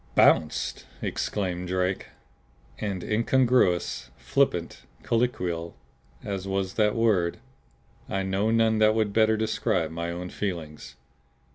"Bounced!" exclaimed Drake. And incongruous, flippant, colloquial as was that word, I know none that would better describe my own feelings.